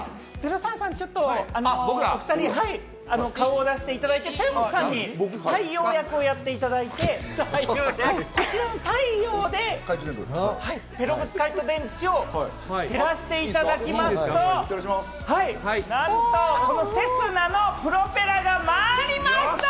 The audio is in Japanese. ０３さん、ちょっとお２人、顔を出していただいて、太陽役もやっていただいて、こちらの太陽でペロブスカイト電池を照らしていただきますと、なんとセスナのプロペラが回りました！